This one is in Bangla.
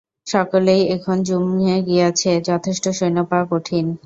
সকলেই এখন জুমে গিয়াছে, যথেষ্ট সৈন্য পাওয়া কঠিন।